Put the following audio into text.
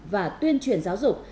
và tuyên truyền giáo dục